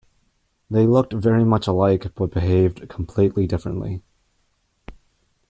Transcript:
They looked very much alike but behaved completely differently.